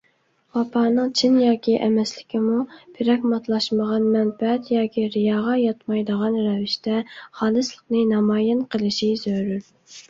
ۋاپانىڭ چىن ياكى ئەمەسلىكىمۇ پىراگماتلاشمىغان، مەنپەئەت ياكى رىياغا ياتمايدىغان رەۋىشتە خالىسلىقىنى نامايان قېلىشى زۆرۈر.